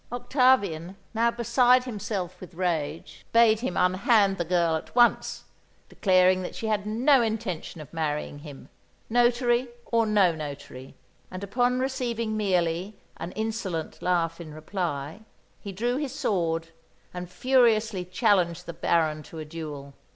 Octavian, now beside himself with rage, bade him unhand the girl at once, declaring that she had no intention of marrying him, notary or no notary; and upon receiving merely an insolent laugh in reply, he drew his sword and furiously challenged the Baron to a duel.